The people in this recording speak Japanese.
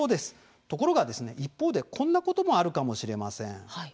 ところで、こんなこともあるかもしれません。